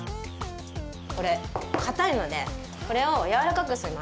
これかたいのでこれをやわらかくします。